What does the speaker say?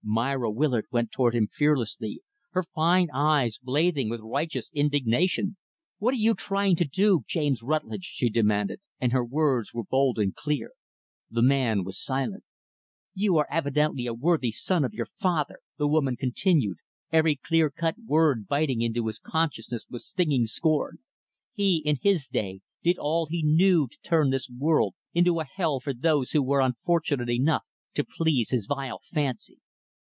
Myra Willard went toward him fearlessly her fine eyes blazing with righteous indignation. "What are you trying to do, James Rutlidge?" she demanded and her words were bold and clear. The man was silent. "You are evidently a worthy son of your father," the woman continued every clear cut word biting into his consciousness with stinging scorn. "He, in his day, did all he knew to turn this world into a hell for those who were unfortunate enough to please his vile fancy.